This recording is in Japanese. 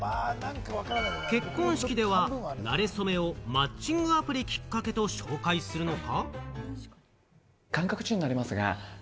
結婚式では馴れ初めを「マッチングアプリきっかけ」と紹介するのか？